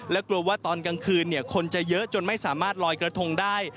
และกลัวว่าตอนกลางคืนคนจะเยอะจนไม่สามารถลอยกระทงได้